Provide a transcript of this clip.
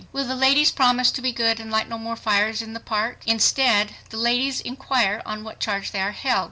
Will the "ladies promise to be good and light no more fires in the park?" Instead, the "ladies" inquire on what charge they are held.